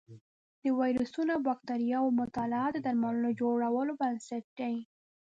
د ویروسونو او بکتریاوو مطالعه د درملو جوړولو بنسټ دی.